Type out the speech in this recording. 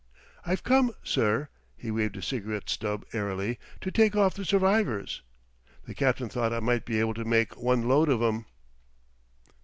"I've come, sir" he waved his cigarette stub airily "to take off the survivors. The captain thought I might be able to make one load of 'em."